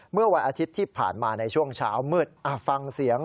เมื่อวันอาทิตย์ที่ผ่านมาในช่วงเช้ามืดฟังเสียง